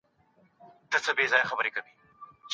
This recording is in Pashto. ډاکټران به نورو هیوادونو ته لاړ نسي؟